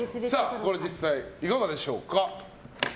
実際いかがでしょうか。